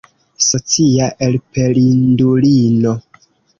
Socia elpelindulino!